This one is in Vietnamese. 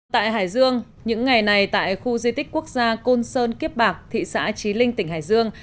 tại hải dương những ngày này tại khu di tích quốc gia côn sơn kiếp bạc thị xã trí linh tỉnh hải dương